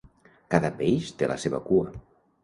Cada peix té la seva cua.